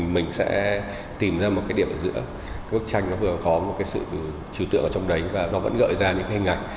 mình sẽ tìm ra một điểm giữa bức tranh có một sự trừ tượng trong đấy và nó vẫn gợi ra những hình ảnh